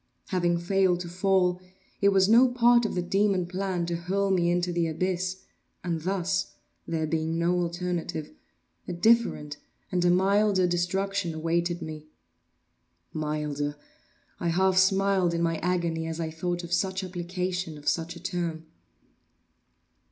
Having failed to fall, it was no part of the demon plan to hurl me into the abyss; and thus (there being no alternative) a different and a milder destruction awaited me. Milder! I half smiled in my agony as I thought of such application of such a term.